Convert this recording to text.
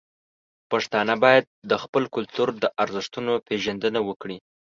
پښتانه باید د خپل کلتور د ارزښتونو پیژندنه وکړي.